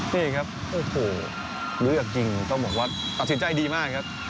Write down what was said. นี่ครับโอ้โหรู้จักจริงต้องบอกว่าตัดสินใจดีมากครับ